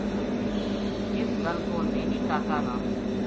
اس گل کو نی نی کا کا نا